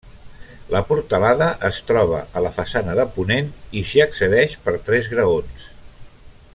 La portalada es troba a la façana de ponent i s’hi accedeix per tres graons.